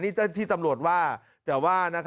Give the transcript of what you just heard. นี่ที่ตำรวจว่า